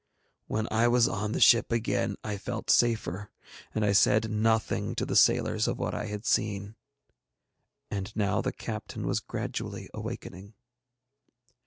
When I was on the ship again I felt safer, and I said nothing to the sailors of what I had seen. And now the captain was gradually awakening.